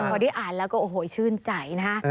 พอได้อ่านแล้วก็โอ้โหชื่นใจนะฮะ